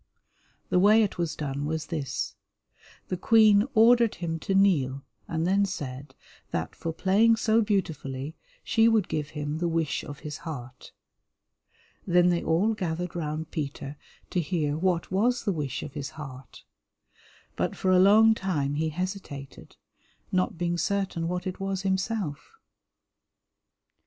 The way it was done was this. The Queen ordered him to kneel, and then said that for playing so beautifully she would give him the wish of his heart. Then they all gathered round Peter to hear what was the wish of his heart, but for a long time he hesitated, not being certain what it was himself.